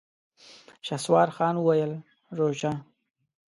شهسوار خان وويل: روژه؟!